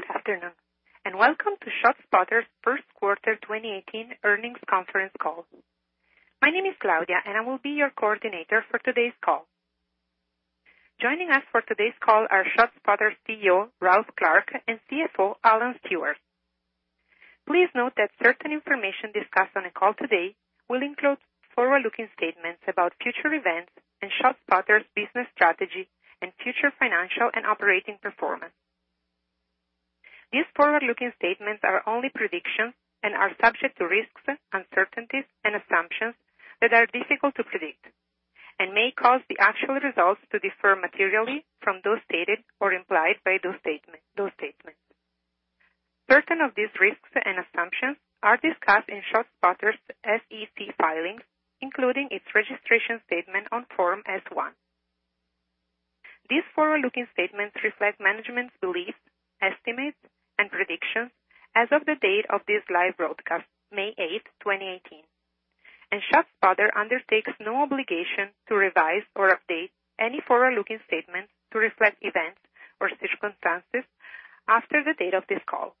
Good afternoon, welcome to ShotSpotter's first quarter 2018 earnings conference call. My name is Claudia, and I will be your coordinator for today's call. Joining us for today's call are ShotSpotter's CEO, Ralph Clark, and CFO, Alan Stewart. Please note that certain information discussed on the call today will include forward-looking statements about future events and ShotSpotter's business strategy and future financial and operating performance. These forward-looking statements are only predictions and are subject to risks, uncertainties, and assumptions that are difficult to predict and may cause the actual results to differ materially from those stated or implied by those statements. Certain of these risks and assumptions are discussed in ShotSpotter's SEC filings, including its registration statement on Form S-1. These forward-looking statements reflect management's beliefs, estimates, and predictions as of the date of this live broadcast, May 8th, 2018. ShotSpotter undertakes no obligation to revise or update any forward-looking statements to reflect events or circumstances after the date of this call.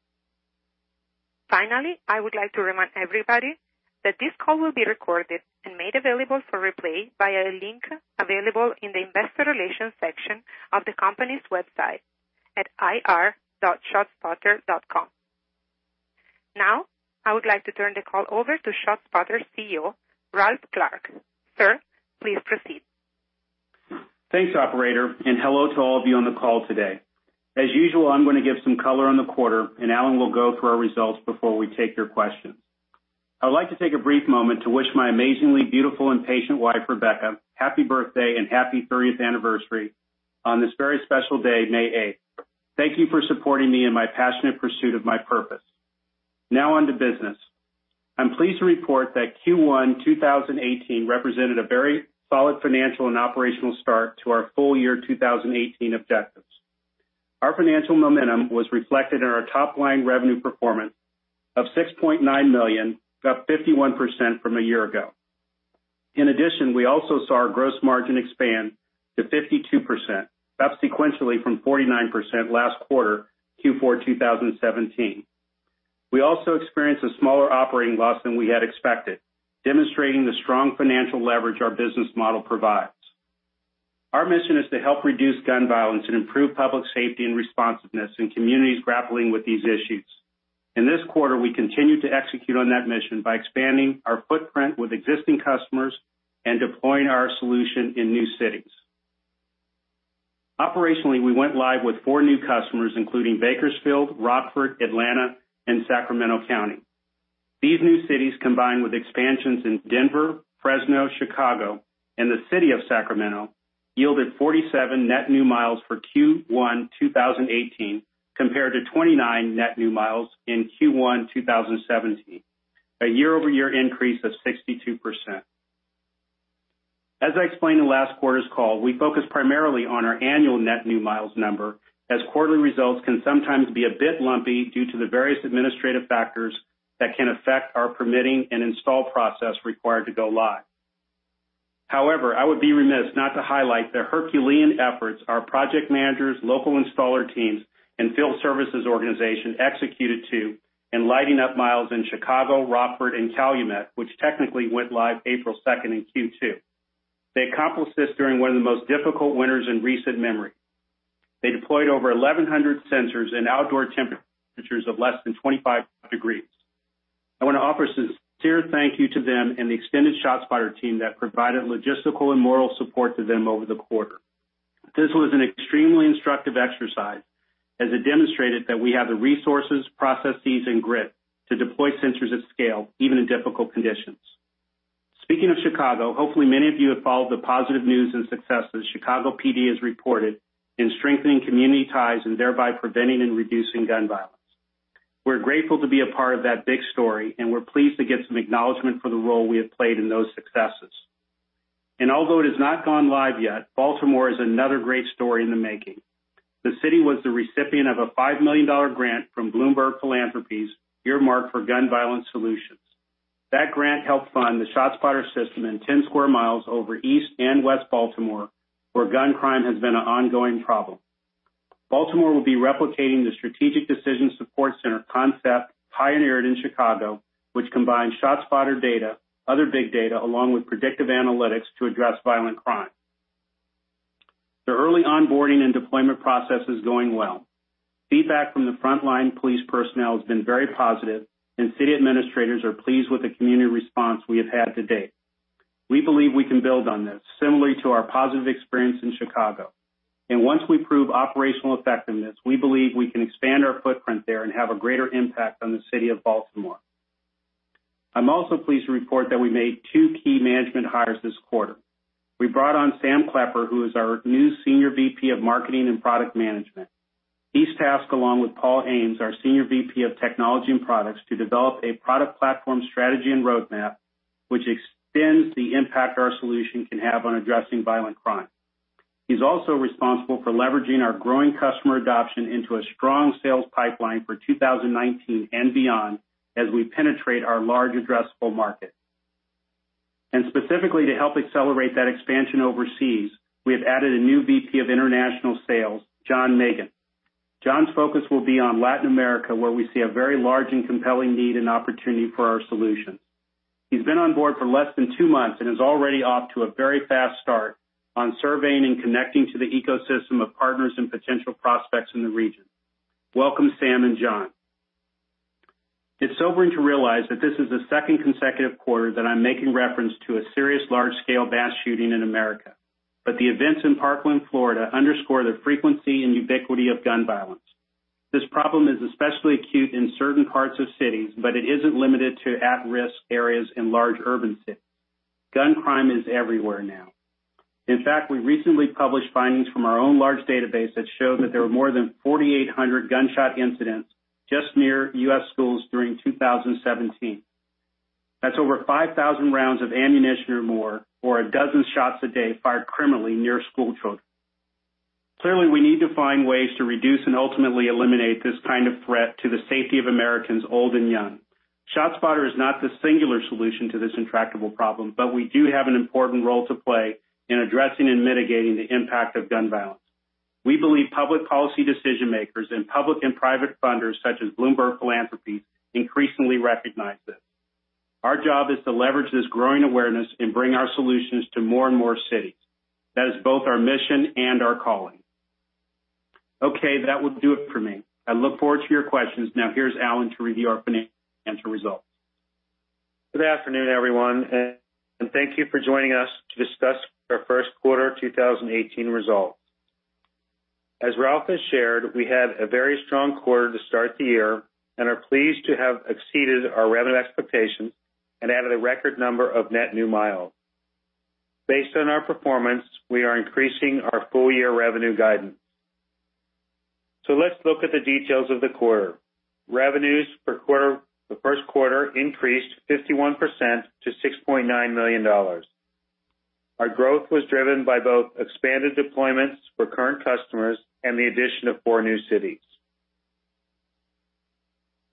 Finally, I would like to remind everybody that this call will be recorded and made available for replay via a link available in the investor relations section of the company's website at ir.shotspotter.com. I would like to turn the call over to ShotSpotter's CEO, Ralph Clark. Sir, please proceed. Thanks, operator, hello to all of you on the call today. As usual, I'm going to give some color on the quarter, Alan will go through our results before we take your questions. I would like to take a brief moment to wish my amazingly beautiful and patient wife, Rebecca, happy birthday and happy 30th anniversary on this very special day, May 8th. Thank you for supporting me in my passionate pursuit of my purpose. On to business. I'm pleased to report that Q1 2018 represented a very solid financial and operational start to our full-year 2018 objectives. Our financial momentum was reflected in our top-line revenue performance of $6.9 million, up 51% from a year ago. In addition, we also saw our gross margin expand to 52%, up sequentially from 49% last quarter, Q4 2017. We also experienced a smaller operating loss than we had expected, demonstrating the strong financial leverage our business model provides. Our mission is to help reduce gun violence and improve public safety and responsiveness in communities grappling with these issues. In this quarter, we continued to execute on that mission by expanding our footprint with existing customers and deploying our solution in new cities. Operationally, we went live with four new customers, including Bakersfield, Rockford, Atlanta, and Sacramento County. These new cities, combined with expansions in Denver, Fresno, Chicago, and the city of Sacramento, yielded 47 net new miles for Q1 2018 compared to 29 net new miles in Q1 2017, a year-over-year increase of 62%. As I explained in last quarter's call, we focus primarily on our annual net new miles number, as quarterly results can sometimes be a bit lumpy due to the various administrative factors that can affect our permitting and install process required to go live. However, I would be remiss not to highlight the Herculean efforts our project managers, local installer teams, and field services organization executed to in lighting up miles in Chicago, Rockford, and Calumet, which technically went live April 2nd in Q2. They accomplished this during one of the most difficult winters in recent memory. They deployed over 1,100 sensors in outdoor temperatures of less than 25 degrees. I want to offer a sincere thank you to them and the extended ShotSpotter team that provided logistical and moral support to them over the quarter. This was an extremely instructive exercise as it demonstrated that we have the resources, processes, and grit to deploy sensors at scale, even in difficult conditions. Speaking of Chicago, hopefully many of you have followed the positive news and successes Chicago PD has reported in strengthening community ties and thereby preventing and reducing gun violence. We're grateful to be a part of that big story, and we're pleased to get some acknowledgement for the role we have played in those successes. Although it has not gone live yet, Baltimore is another great story in the making. The city was the recipient of a $5 million grant from Bloomberg Philanthropies earmarked for gun violence solutions. That grant helped fund the ShotSpotter system in 10 square miles over East and West Baltimore, where gun crime has been an ongoing problem. Baltimore will be replicating the Strategic Decision Support Center concept pioneered in Chicago, which combines ShotSpotter data, other big data, along with predictive analytics to address violent crime. The early onboarding and deployment process is going well. Feedback from the frontline police personnel has been very positive, and city administrators are pleased with the community response we have had to date. We believe we can build on this, similarly to our positive experience in Chicago. Once we prove operational effectiveness, we believe we can expand our footprint there and have a greater impact on the city of Baltimore. I'm also pleased to report that we made two key management hires this quarter. We brought on Sam Klepper, who is our new Senior VP of Marketing and Product Management. He's tasked, along with Paul Ames, our Senior VP of Technology and Products, to develop a product platform strategy and roadmap which extends the impact our solution can have on addressing violent crime. He's also responsible for leveraging our growing customer adoption into a strong sales pipeline for 2019 and beyond as we penetrate our large addressable market. Specifically to help accelerate that expansion overseas, we have added a new VP of International Sales, Jon Magin. Jon's focus will be on Latin America, where we see a very large and compelling need and opportunity for our solutions. He's been on board for less than two months and is already off to a very fast start on surveying and connecting to the ecosystem of partners and potential prospects in the region. Welcome, Sam and Jon. It's sobering to realize that this is the second consecutive quarter that I'm making reference to a serious large-scale mass shooting in America, but the events in Parkland, Florida underscore the frequency and ubiquity of gun violence. This problem is especially acute in certain parts of cities, but it isn't limited to at-risk areas in large urban cities. Gun crime is everywhere now. In fact, we recently published findings from our own large database that showed that there were more than 4,800 gunshot incidents just near U.S. schools during 2017. That's over 5,000 rounds of ammunition or more, or a dozen shots a day fired criminally near school children. Clearly, we need to find ways to reduce and ultimately eliminate this kind of threat to the safety of Americans, old and young. ShotSpotter is not the singular solution to this intractable problem, but we do have an important role to play in addressing and mitigating the impact of gun violence. We believe public policy decision-makers and public and private funders such as Bloomberg Philanthropies increasingly recognize this. Our job is to leverage this growing awareness and bring our solutions to more and more cities. That is both our mission and our calling. Okay. That will do it for me. I look forward to your questions. Here's Alan to review our financial results. Good afternoon, everyone, and thank you for joining us to discuss our first quarter 2018 results. As Ralph has shared, we had a very strong quarter to start the year and are pleased to have exceeded our revenue expectations and added a record number of net new miles. Based on our performance, we are increasing our full-year revenue guidance. Let's look at the details of the quarter. Revenues for the first quarter increased 51% to $6.9 million. Our growth was driven by both expanded deployments for current customers and the addition of four new cities.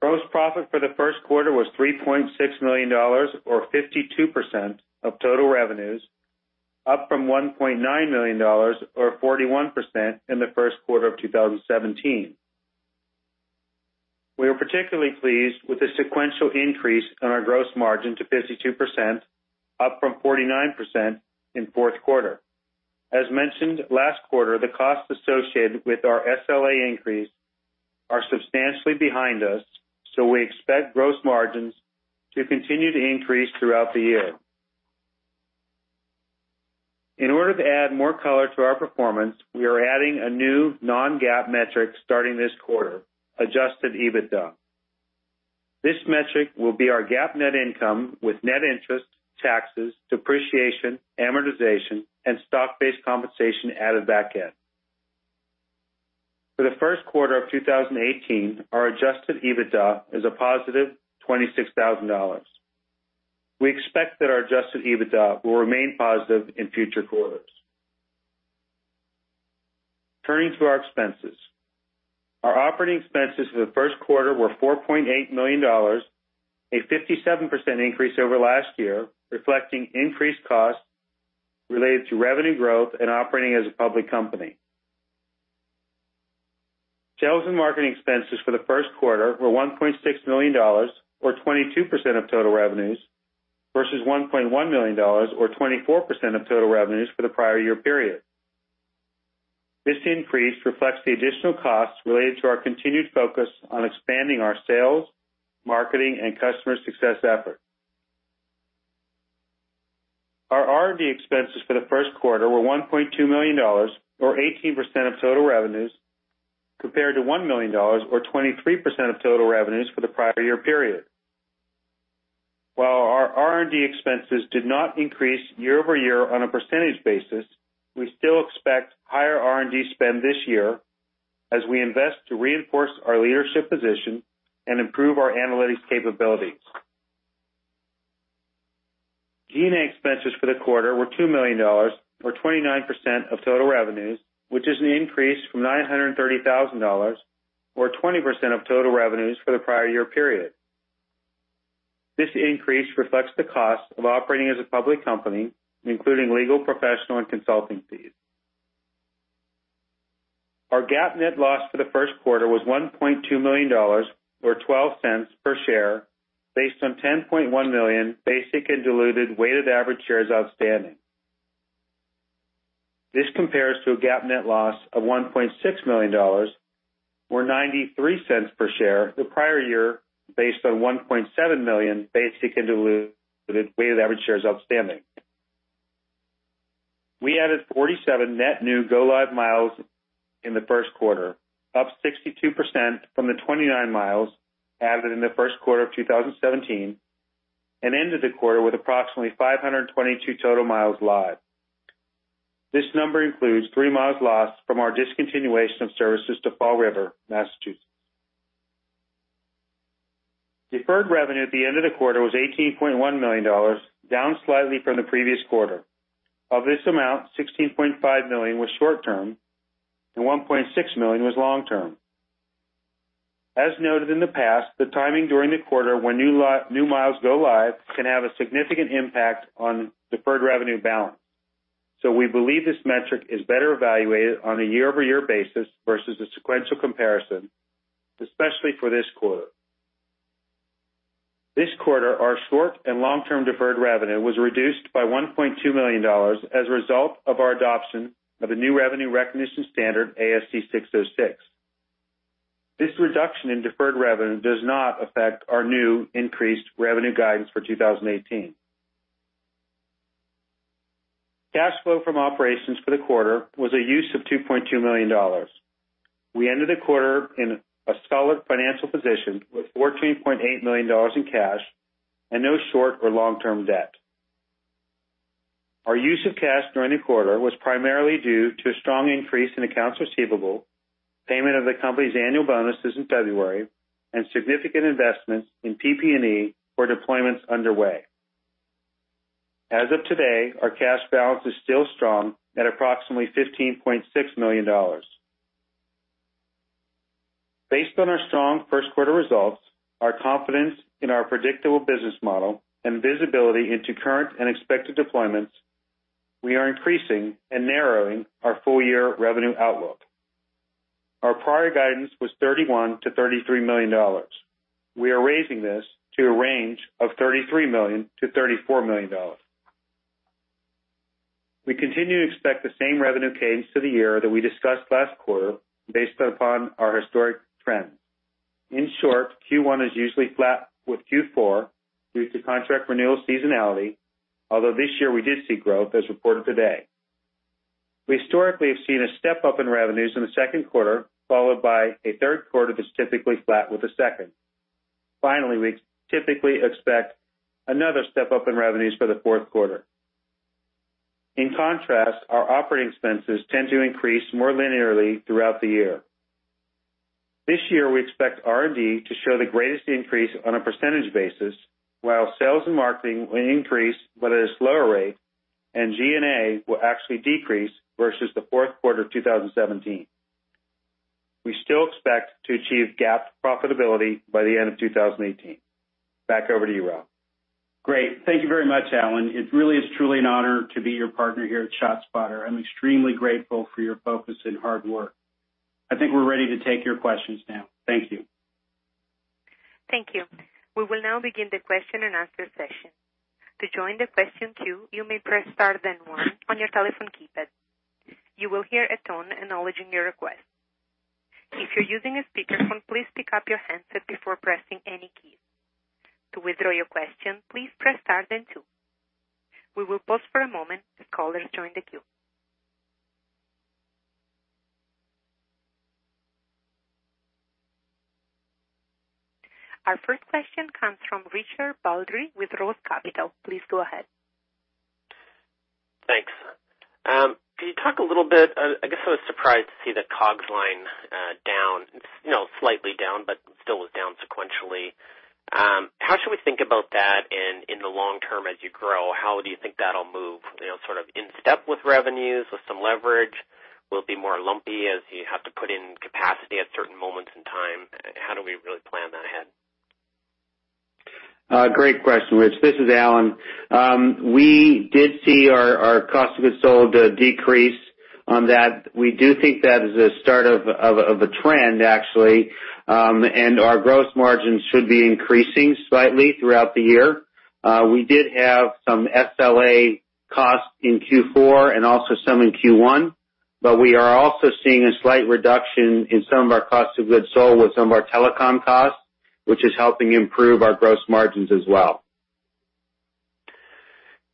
Gross profit for the first quarter was $3.6 million, or 52% of total revenues, up from $1.9 million, or 41%, in the first quarter of 2017. We are particularly pleased with the sequential increase in our gross margin to 52%, up from 49% in fourth quarter. As mentioned last quarter, the costs associated with our SLA increase are substantially behind us, so we expect gross margins to continue to increase throughout the year. In order to add more color to our performance, we are adding a new non-GAAP metric starting this quarter, adjusted EBITDA. This metric will be our GAAP net income with net interest taxes, depreciation, amortization, and stock-based compensation added back in. For the first quarter of 2018, our adjusted EBITDA is a positive $26,000. We expect that our adjusted EBITDA will remain positive in future quarters. Turning to our expenses. Our operating expenses for the first quarter were $4.8 million, a 57% increase over last year, reflecting increased costs related to revenue growth and operating as a public company. Sales and marketing expenses for the first quarter were $1.6 million, or 22% of total revenues, versus $1.1 million, or 24% of total revenues for the prior year period. This increase reflects the additional costs related to our continued focus on expanding our sales, marketing, and customer success efforts. Our R&D expenses for the first quarter were $1.2 million, or 18% of total revenues, compared to $1 million, or 23% of total revenues for the prior year period. While our R&D expenses did not increase year-over-year on a percentage basis, we still expect higher R&D spend this year as we invest to reinforce our leadership position and improve our analytics capabilities. G&A expenses for the quarter were $2 million, or 29% of total revenues, which is an increase from $930,000, or 20% of total revenues for the prior year period. This increase reflects the cost of operating as a public company, including legal, professional, and consulting fees. Our GAAP net loss for the first quarter was $1.2 million, or $0.12 per share based on 10.1 million basic and diluted weighted average shares outstanding. This compares to a GAAP net loss of $1.6 million, or $0.93 per share, the prior year based on 1.7 million basic and diluted weighted average shares outstanding. We added 47 net new go live miles in the first quarter, up 62% from the 29 miles added in the first quarter of 2017, and ended the quarter with approximately 522 total miles live. This number includes three miles lost from our discontinuation of services to Fall River, Massachusetts. Deferred revenue at the end of the quarter was $18.1 million, down slightly from the previous quarter. Of this amount, $16.5 million was short term and $1.6 million was long term. As noted in the past, the timing during the quarter when new miles go live can have a significant impact on deferred revenue balance. We believe this metric is better evaluated on a year-over-year basis versus a sequential comparison, especially for this quarter. This quarter, our short and long-term deferred revenue was reduced by $1.2 million as a result of our adoption of the new revenue recognition standard, ASC 606. This reduction in deferred revenue does not affect our new increased revenue guidance for 2018. Cash flow from operations for the quarter was a use of $2.2 million. We ended the quarter in a solid financial position with $14.8 million in cash and no short or long-term debt. Our use of cash during the quarter was primarily due to a strong increase in accounts receivable, payment of the company's annual bonuses in February, and significant investments in PP&E for deployments underway. As of today, our cash balance is still strong at approximately $15.6 million. Based on our strong first quarter results, our confidence in our predictable business model, and visibility into current and expected deployments, we are increasing and narrowing our full-year revenue outlook. Our prior guidance was $31 million-$33 million. We are raising this to a range of $33 million-$34 million. We continue to expect the same revenue cadence for the year that we discussed last quarter based upon our historic trends. In short, Q1 is usually flat with Q4 due to contract renewal seasonality, although this year we did see growth as reported today. We historically have seen a step-up in revenues in the second quarter, followed by a third quarter that's typically flat with the second. We typically expect another step-up in revenues for the fourth quarter. In contrast, our operating expenses tend to increase more linearly throughout the year. This year, we expect R&D to show the greatest increase on a percentage basis, while sales and marketing will increase but at a slower rate, and G&A will actually decrease versus the fourth quarter of 2017. We still expect to achieve GAAP profitability by the end of 2018. Back over to you, Ralph. Great. Thank you very much, Alan. It really is truly an honor to be your partner here at ShotSpotter. I'm extremely grateful for your focus and hard work. I think we're ready to take your questions now. Thank you. Thank you. We will now begin the question and answer session. To join the question queue, you may press star then one on your telephone keypad. You will hear a tone acknowledging your request. If you're using a speakerphone, please pick up your handset before pressing any keys. To withdraw your question, please press star then two. We will pause for a moment as callers join the queue. Our first question comes from Richard Baldry with ROTH Capital Partners. Please go ahead. Thanks. Can you talk a little bit I guess I was surprised to see the COGS line slightly down, but still was down sequentially. How should we think about that in the long term as you grow? How do you think that'll move, sort of in step with revenues, with some leverage? Will it be more lumpy as you have to put in capacity at certain moments in time? How do we really plan that ahead? Great question, Rich. This is Alan. We did see our cost of goods sold decrease on that. We do think that is a start of a trend, actually. Our gross margins should be increasing slightly throughout the year. We did have some SLA costs in Q4 and also some in Q1, we are also seeing a slight reduction in some of our cost of goods sold with some of our telecom costs, which is helping improve our gross margins as well.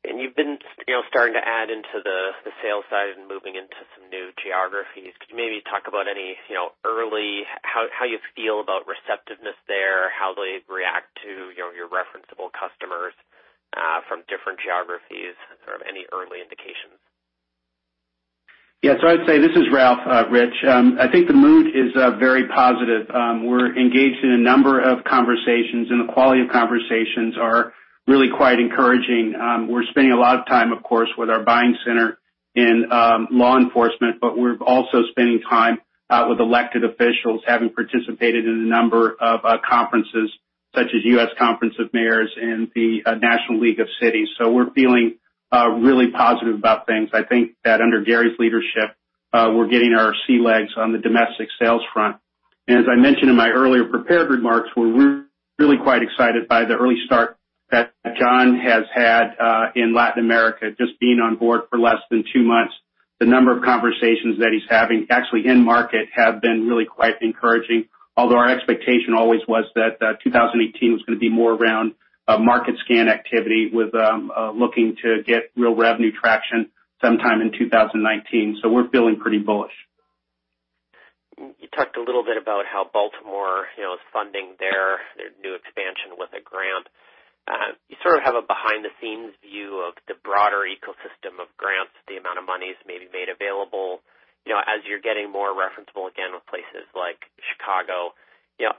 You've been starting to add into the sales side and moving into some new geographies. Could you maybe talk about any early, how you feel about receptiveness there? How they react to your referenceable customers from different geographies, sort of any early indications? Yeah. I'd say, this is Ralph, Rich. I think the mood is very positive. We're engaged in a number of conversations, and the quality of conversations are really quite encouraging. We're spending a lot of time, of course, with our buying center in law enforcement, we're also spending time with elected officials, having participated in a number of conferences, such as United States Conference of Mayors and the National League of Cities. We're feeling really positive about things. I think that under Gary's leadership, we're getting our sea legs on the domestic sales front. As I mentioned in my earlier prepared remarks, we're really quite excited by the early start that Jon has had in Latin America, just being on board for less than two months. The number of conversations that he's having actually in-market have been really quite encouraging. Although our expectation always was that 2018 was going to be more around market scan activity with looking to get real revenue traction sometime in 2019. We're feeling pretty bullish. You talked a little bit about how Baltimore is funding their new expansion with a grant. You sort of have a behind-the-scenes view of the broader ecosystem of grants, the amount of monies maybe made available. As you're getting more referenceable again with places like Chicago, you know,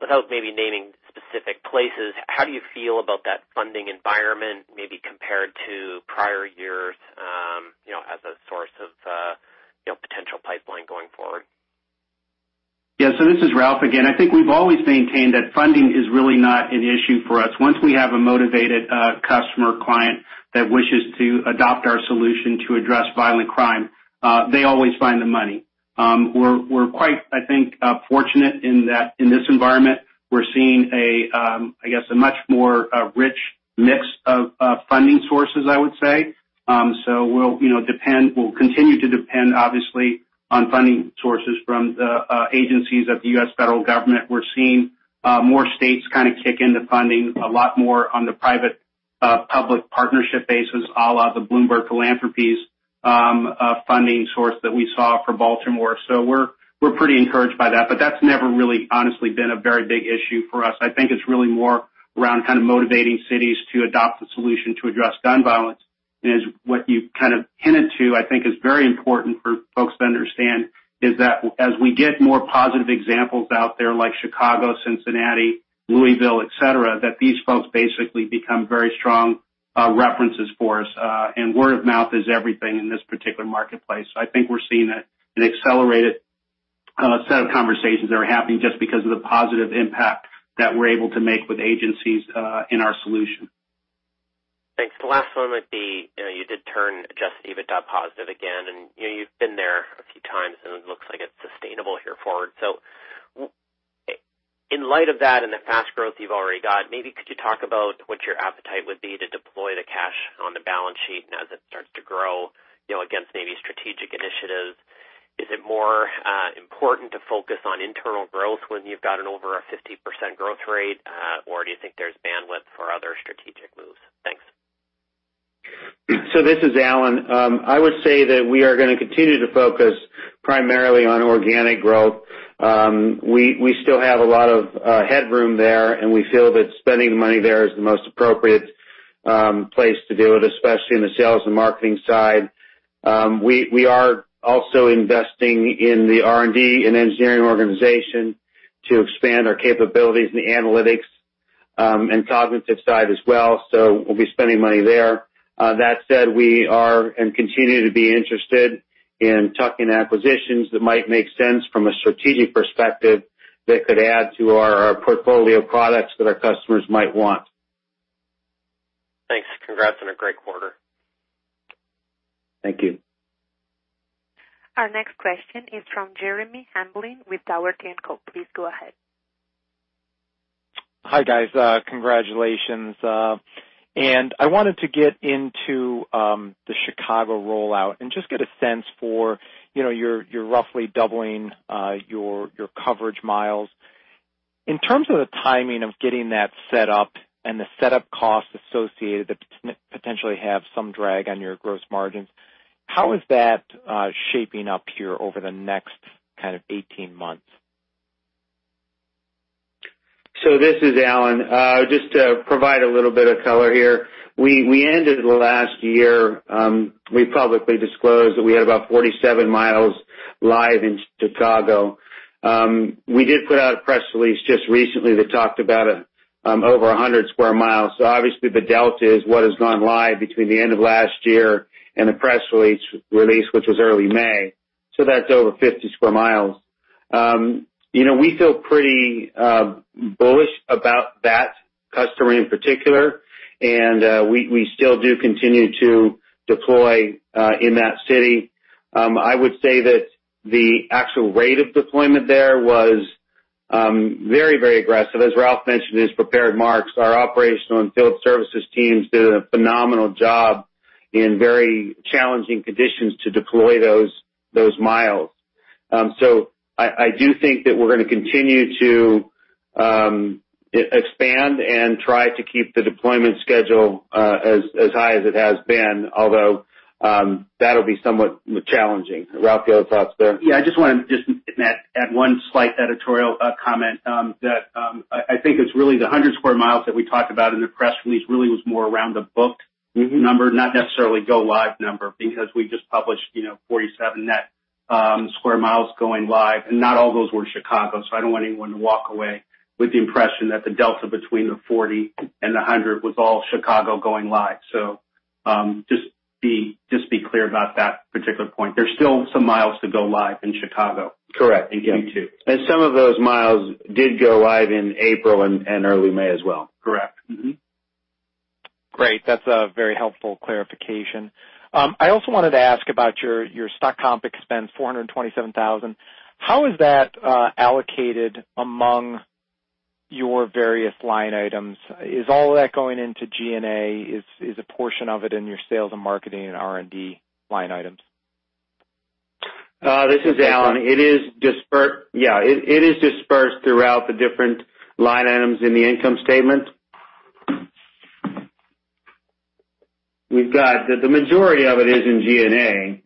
without maybe naming specific places, how do you feel about that funding environment maybe compared to prior years as a source of potential pipeline going forward? Yeah. This is Ralph again. I think we've always maintained that funding is really not an issue for us. Once we have a motivated customer client that wishes to adopt our solution to address violent crime, they always find the money. We're quite, I think, fortunate in that in this environment, we're seeing, I guess, a much more rich mix of funding sources, I would say. We'll continue to depend, obviously, on funding sources from the agencies of the U.S. federal government. We're seeing more states kind of kick into funding a lot more on the private-public partnership basis, à la the Bloomberg Philanthropies funding source that we saw for Baltimore. We're pretty encouraged by that, but that's never really honestly been a very big issue for us. I think it's really more around kind of motivating cities to adopt the solution to address gun violence. What you've kind of hinted to, I think, is very important for folks to understand, is that as we get more positive examples out there like Chicago, Cincinnati, Louisville, et cetera, that these folks basically become very strong references for us. Word of mouth is everything in this particular marketplace. I think we're seeing an accelerated set of conversations that are happening just because of the positive impact that we're able to make with agencies in our solution. Thanks. The last one would be, you did turn adjusted EBITDA positive again, and you've been there a few times, and it looks like it's sustainable here forward. In light of that and the fast growth you've already got, maybe could you talk about what your appetite would be to deploy the cash on the balance sheet and as it starts to grow against maybe strategic initiatives? Is it more important to focus on internal growth when you've got an over a 50% growth rate, or do you think there's bandwidth for other strategic moves? Thanks. This is Alan. I would say that we are going to continue to focus primarily on organic growth. We still have a lot of headroom there, and we feel that spending the money there is the most appropriate place to do it, especially in the sales and marketing side. We are also investing in the R&D and engineering organization to expand our capabilities in the analytics and cognitive side as well. We'll be spending money there. That said, we are and continue to be interested in tuck-in acquisitions that might make sense from a strategic perspective that could add to our portfolio of products that our customers might want. Thanks. Congrats on a great quarter. Thank you. Our next question is from Jeremy Hamblin with Dougherty & Company. Please go ahead. Hi, guys. Congratulations. I wanted to get into the Chicago rollout and just get a sense for, you're roughly doubling your coverage miles. In terms of the timing of getting that set up and the setup costs associated that potentially have some drag on your gross margins, how is that shaping up here over the next kind of 18 months? This is Alan. Just to provide a little bit of color here, we ended last year, we publicly disclosed that we had about 47 miles live in Chicago. We did put out a press release just recently that talked about over 100 square miles. Obviously the delta is what has gone live between the end of last year and the press release, which was early May. That's over 50 square miles. We feel pretty bullish about that customer in particular, and we still do continue to deploy in that city. I would say that the actual rate of deployment there was very aggressive. As Ralph mentioned in his prepared remarks, our operational and field services teams did a phenomenal job in very challenging conditions to deploy those miles. I do think that we're going to continue to expand and try to keep the deployment schedule as high as it has been. Although, that'll be somewhat challenging. Ralph, you have thoughts there? I just want to add one slight editorial comment that I think it's really the 100 square miles that we talked about in the press release really was more around the booked number, not necessarily go-live number, because we just published 47 net square miles going live, and not all those were Chicago. I don't want anyone to walk away with the impression that the delta between the 40 and 100 was all Chicago going live. Just be clear about that particular point. There's still some miles to go live in Chicago. Correct. Thank you. Some of those miles did go live in April and early May as well. Correct. Mm-hmm. Great. That's a very helpful clarification. I also wanted to ask about your stock comp expense, $427,000. How is that allocated among your various line items? Is all that going into G&A? Is a portion of it in your sales and marketing and R&D line items? This is Alan. Yeah, it is dispersed throughout the different line items in the income statement. The majority of it is in G&A,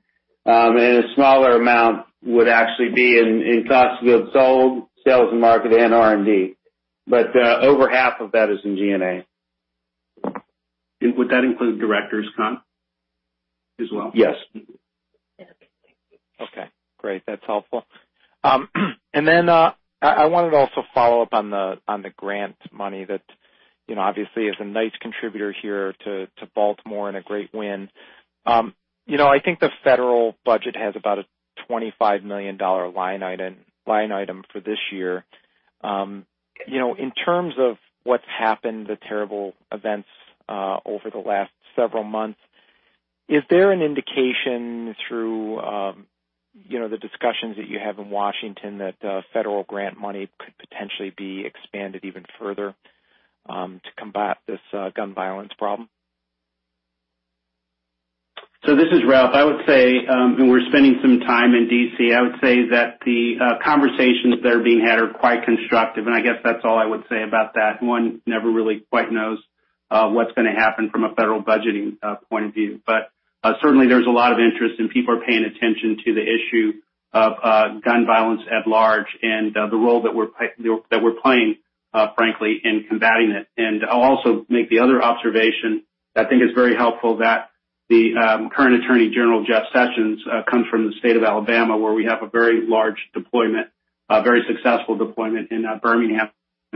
and a smaller amount would actually be in cost of goods sold, sales and marketing, and R&D. Over half of that is in G&A. Would that include director's comp as well? Yes. Great. That's helpful. I wanted to also follow up on the grant money that obviously is a nice contributor here to Baltimore and a great win. I think the federal budget has about a $25 million line item for this year. In terms of what's happened, the terrible events over the last several months, is there an indication through the discussions that you have in Washington that federal grant money could potentially be expanded even further to combat this gun violence problem? This is Ralph. I would say, we're spending some time in D.C., I would say that the conversations that are being had are quite constructive, and I guess that's all I would say about that. One never really quite knows what's going to happen from a federal budgeting point of view. Certainly there's a lot of interest, and people are paying attention to the issue of gun violence at large and the role that we're playing, frankly, in combating it. I'll also make the other observation that I think is very helpful, that the current Attorney General, Jeff Sessions, comes from the state of Alabama, where we have a very large deployment, a very successful deployment in Birmingham,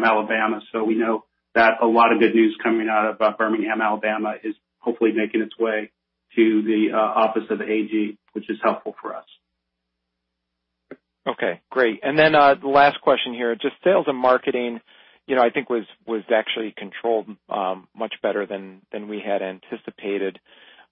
Alabama. We know that a lot of good news coming out of Birmingham, Alabama, is hopefully making its way to the office of the AG, which is helpful for us. Okay, great. The last question here, just sales and marketing I think was actually controlled much better than we had anticipated.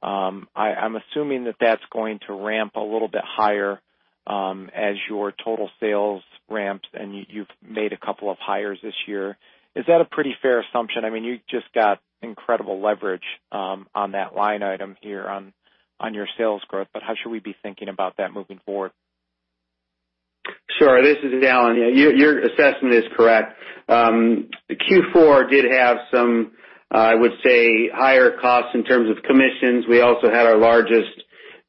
I'm assuming that that's going to ramp a little bit higher as your total sales ramps and you've made a couple of hires this year. Is that a pretty fair assumption? You just got incredible leverage on that line item here on your sales growth, how should we be thinking about that moving forward? Sure. This is Alan. Your assessment is correct. Q4 did have some, I would say, higher costs in terms of commissions. We also had our largest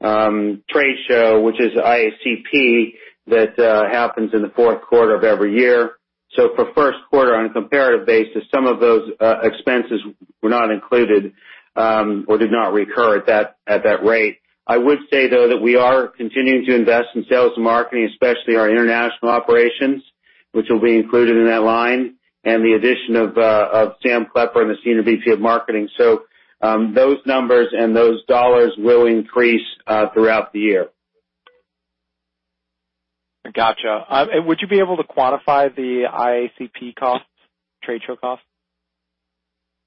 trade show, which is IACP, that happens in the fourth quarter of every year. For first quarter, on a comparative basis, some of those expenses were not included or did not recur at that rate. I would say, though, that we are continuing to invest in sales and marketing, especially our international operations, which will be included in that line, and the addition of Sam Klepper as the new VP of Marketing. Those numbers and those dollars will increase throughout the year. Got you. Would you be able to quantify the IACP costs, trade show costs?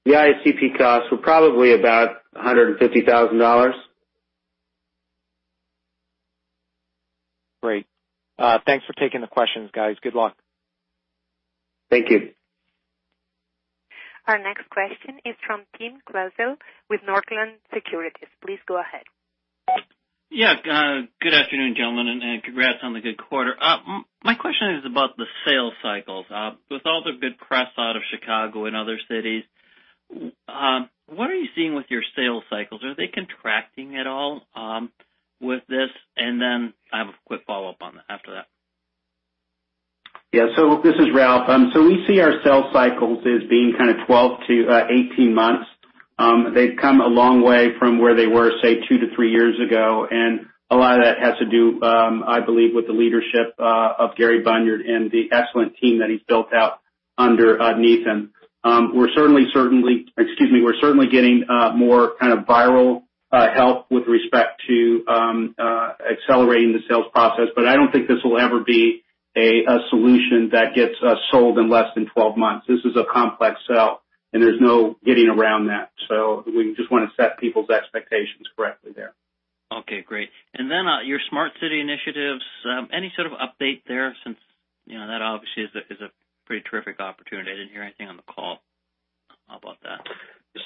The IACP costs were probably about $150,000. Great. Thanks for taking the questions, guys. Good luck. Thank you. Our next question is from Timothy Klasell with Northland Securities. Please go ahead. Yeah. Good afternoon, gentlemen, and congrats on the good quarter. My question is about the sales cycles. With all the good press out of Chicago and other cities, what are you seeing with your sales cycles? Are they contracting at all with this? I have a quick follow-up on that after that. Yeah. This is Ralph. We see our sales cycles as being kind of 12 to 18 months. They've come a long way from where they were, say, two to three years ago, and a lot of that has to do, I believe, with the leadership of Gary Bunyard and the excellent team that he's built out underneath him. We're certainly getting more kind of viral help with respect to accelerating the sales process, I don't think this will ever be a solution that gets us sold in less than 12 months. This is a complex sell, there's no getting around that. We just want to set people's expectations correctly there. Okay, great. Your smart city initiatives, any sort of update there? Since that obviously is a pretty terrific opportunity. I didn't hear anything on the call about that.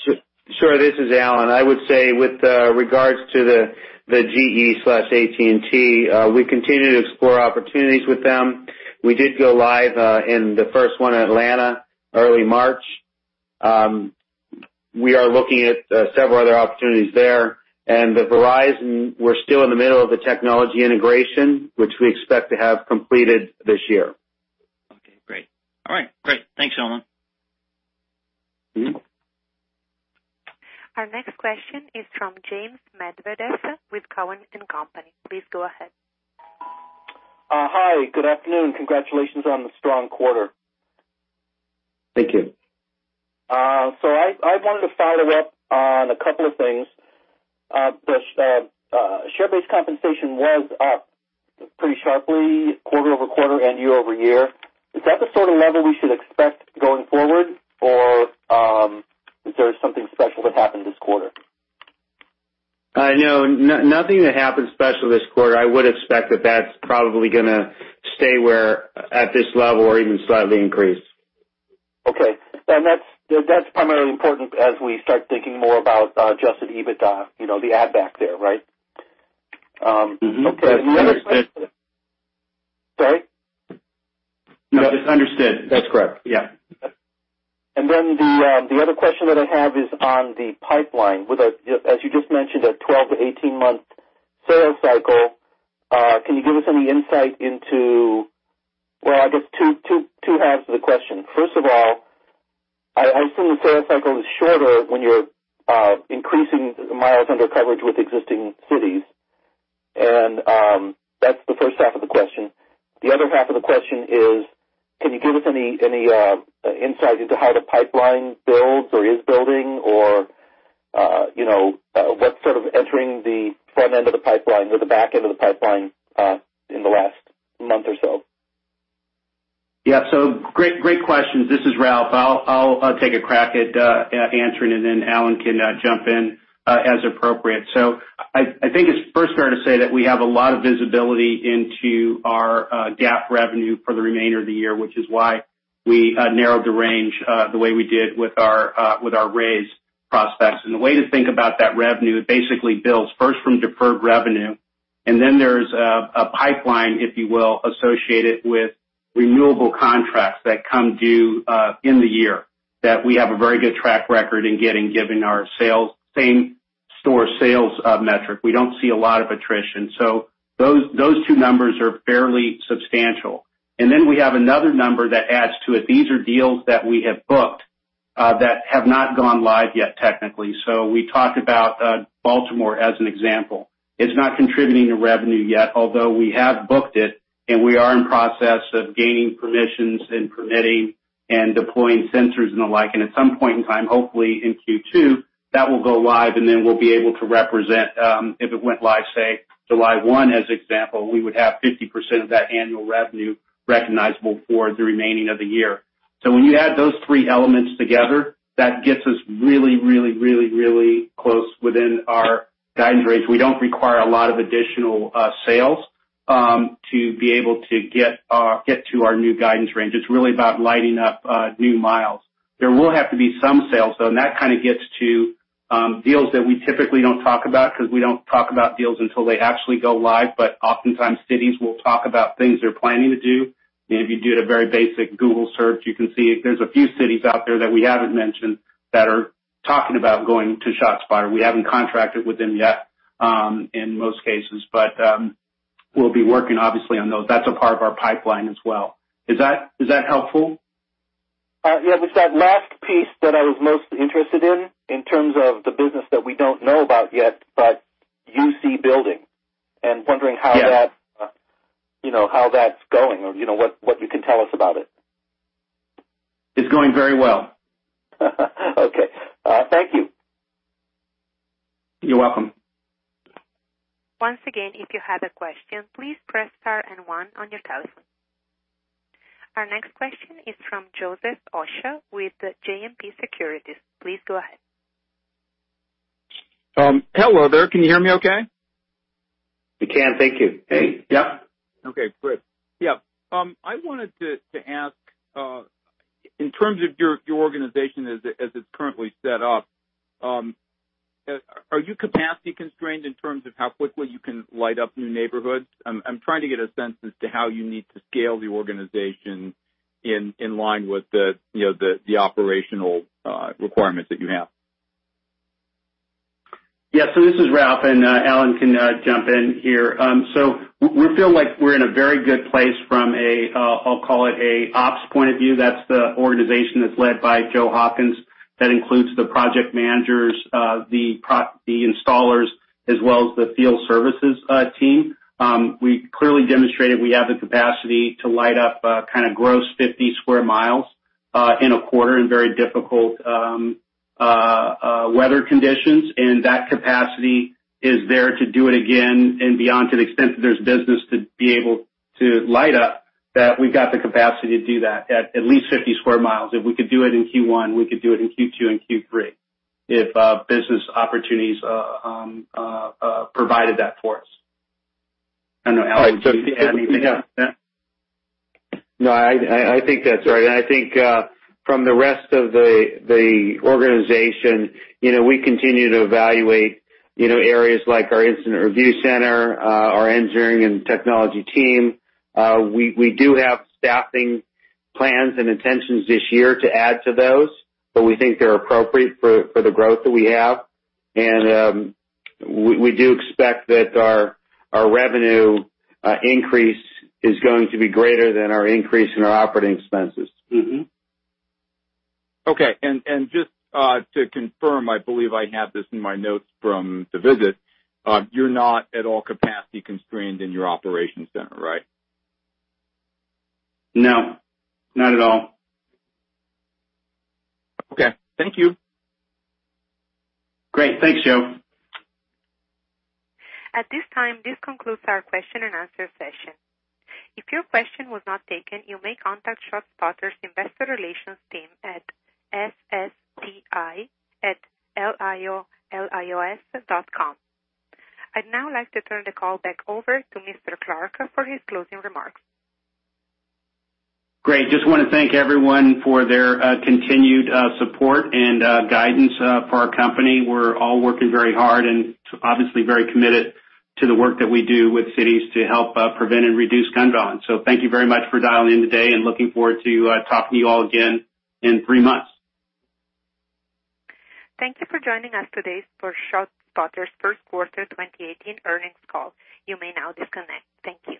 Sure. This is Alan. I would say with regards to the GE/AT&T, we continue to explore opportunities with them. We did go live in the first one in Atlanta, early March. We are looking at several other opportunities there. The Verizon, we're still in the middle of the technology integration, which we expect to have completed this year. Okay, great. All right, great. Thanks, Alan. Our next question is from James Medvedeff with Cowen and Company. Please go ahead. Hi, good afternoon. Congratulations on the strong quarter. Thank you. I wanted to follow up on a couple of things. The share-based compensation was up pretty sharply quarter-over-quarter and year-over-year. Is that the sort of level we should expect going forward, or is there something special that happened this quarter? No, nothing that happened special this quarter. I would expect that that's probably going to stay at this level or even slightly increase. Okay. That's primarily important as we start thinking more about adjusted EBITDA, the add back there, right? Okay. Understood. Sorry? No, it's understood. That's correct. Yeah. The other question that I have is on the pipeline. As you just mentioned, a 12 to 18-month sales cycle. Can you give us any insight into First of all, I assume the sales cycle is shorter when you're increasing miles under coverage with existing cities, and that's the first half of the question. The other half of the question is, can you give us any insight into how the pipeline builds or is building or what's sort of entering the front end of the pipeline or the back end of the pipeline in the last month or so? Yeah. Great questions. This is Ralph. I'll take a crack at answering and then Alan can jump in as appropriate. I think it's first fair to say that we have a lot of visibility into our GAAP revenue for the remainder of the year, which is why we narrowed the range the way we did with our raise prospects. The way to think about that revenue, it basically builds first from deferred revenue, then there's a pipeline, if you will, associated with renewable contracts that come due in the year, that we have a very good track record in getting, given our same store sales metric. We don't see a lot of attrition. Those two numbers are fairly substantial. We have another number that adds to it. These are deals that we have booked, that have not gone live yet technically. We talked about Baltimore as an example. It's not contributing to revenue yet, although we have booked it, and we are in process of gaining permissions and permitting and deploying sensors and the like. At some point in time, hopefully in Q2, that will go live, then we'll be able to represent, if it went live, say July 1 as example, we would have 50% of that annual revenue recognizable for the remaining of the year. When you add those three elements together, that gets us really close within our guidance range. We don't require a lot of additional sales to be able to get to our new guidance range. It's really about lighting up new miles. There will have to be some sales though, and that kind of gets to deals that we typically don't talk about because we don't talk about deals until they actually go live. Oftentimes cities will talk about things they're planning to do, and if you did a very basic Google search, you can see there's a few cities out there that we haven't mentioned that are talking about going to ShotSpotter. We haven't contracted with them yet, in most cases. We'll be working obviously on those. That's a part of our pipeline as well. Is that helpful? Yeah. It's that last piece that I was most interested in terms of the business that we don't know about yet, but you see building. wondering how that- Yes how that's going or what you can tell us about it? It's going very well. Okay. Thank you. You're welcome. Once again, if you have a question, please press star and one on your telephone. Our next question is from Joseph Osha with JMP Securities. Please go ahead. Hello there. Can you hear me okay? We can. Thank you. Hey. Yep. Okay, great. Yeah. I wanted to ask, in terms of your organization as it's currently set up, are you capacity constrained in terms of how quickly you can light up new neighborhoods? I'm trying to get a sense as to how you need to scale the organization in line with the operational requirements that you have. Yeah. This is Ralph, and Alan can jump in here. We feel like we're in a very good place from a, I'll call it a ops point of view. That's the organization that's led by Joe Hawkins. That includes the project managers, the installers, as well as the field services team. We clearly demonstrated we have the capacity to light up kind of gross 50 sq mi in a quarter in very difficult weather conditions, and that capacity is there to do it again and beyond to the extent that there's business to be able to light up, that we've got the capacity to do that at least 50 sq mi. If we could do it in Q1, we could do it in Q2 and Q3, if business opportunities provided that for us. I don't know, Alan, did you need to add anything else to that? No, I think that's right. I think, from the rest of the organization, we continue to evaluate areas like our incident review center, our engineering and technology team. We do have staffing plans and intentions this year to add to those, but we think they're appropriate for the growth that we have. We do expect that our revenue increase is going to be greater than our increase in our operating expenses. Okay. Just to confirm, I believe I have this in my notes from the visit. You're not at all capacity constrained in your operation center, right? No, not at all. Okay. Thank you. Great. Thanks, Joe. At this time, this concludes our question and answer session. If your question was not taken, you may contact ShotSpotter's investor relations team at SSTI@liolios.com. I'd now like to turn the call back over to Mr. Clark for his closing remarks. Great. Just want to thank everyone for their continued support and guidance for our company. We're all working very hard and obviously very committed to the work that we do with cities to help prevent and reduce gun violence. Thank you very much for dialing in today, and looking forward to talking to you all again in three months. Thank you for joining us today for ShotSpotter's first quarter 2018 earnings call. You may now disconnect. Thank you.